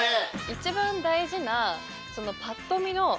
一番大事な。